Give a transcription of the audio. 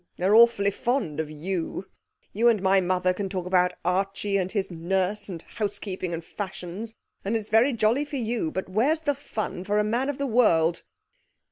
They are awfully fond of you. You and my mother can talk about Archie and his nurse and housekeeping and fashions, and it's very jolly for you, but where's the fun for a man of the world?'